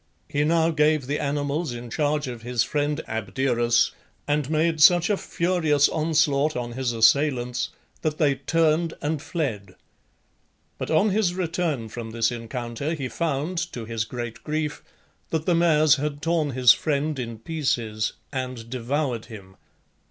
He now gave the animals in charge of his friend Abderus, and made such a furious onslaught on his assailants that they turned and fled. But on his return from this encounter he found, to his great grief, that the mares had torn his friend in pieces and devoured him.